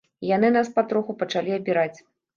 І яны нас патроху пачалі абіраць.